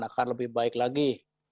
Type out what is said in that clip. akan lebih baik lagi